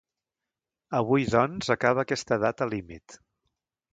Avui, doncs, acaba aquesta data límit.